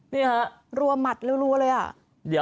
นี้รัวอามัดรัวเลย